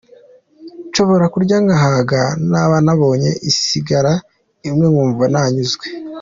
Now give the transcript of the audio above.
Nshobora kurya ngahaga naba ntabonye isigara imwe nkumva ntanyuzwe.